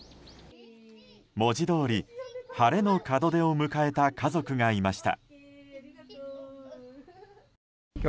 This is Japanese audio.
文字どおり、晴れの門出を迎えた家族がいました。